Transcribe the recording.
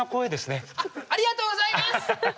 ありがとうございます！